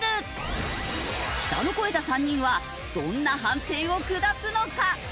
舌の肥えた３人はどんな判定を下すのか？